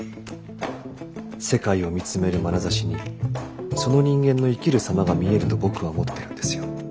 世界を見つめるまなざしにその人間の生きる様が見えると僕は思ってるんですよ。